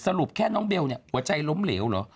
สรุปแค่น้องเบลหัวใจล้มเหลวหรือ